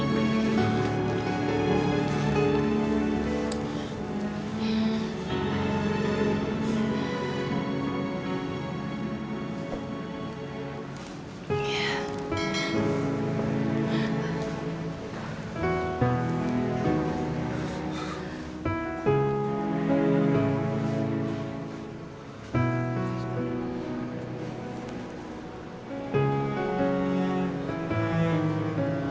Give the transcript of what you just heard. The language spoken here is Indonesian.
sini duduk sini